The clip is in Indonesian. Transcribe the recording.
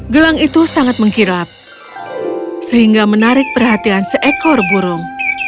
gelang itu sangat mengkilap sehingga menarik perhatian seekor burung